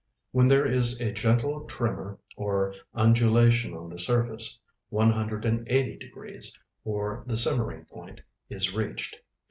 When there is a gentle tremor or undulation on the surface, one hundred and eighty degrees, or the simmering point, is reached.